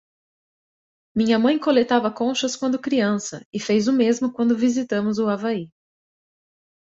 Minha mãe coletava conchas quando criança, e fez o mesmo quando visitamos o Havaí.